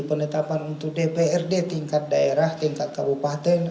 penetapan untuk dprd tingkat daerah tingkat kabupaten